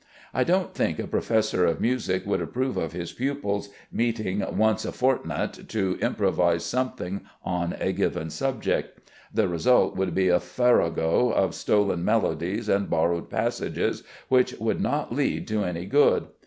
I don't think a professor of music would approve of his pupils meeting once a fortnight to improvise something on a given subject. The result would be a farrago of stolen melodies and borrowed passages which could not lead to any good.